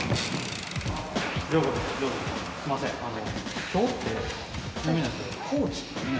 怜雅君すいませんあの。